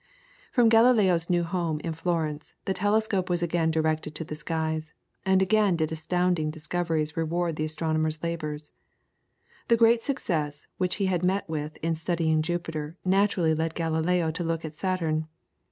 ] From Galileo's new home in Florence the telescope was again directed to the skies, and again did astounding discoveries reward the astronomer's labours. The great success which he had met with in studying Jupiter naturally led Galileo to look at Saturn.